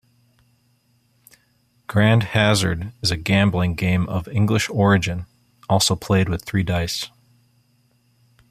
Grand Hazard is a gambling game of English origin, also played with three dice.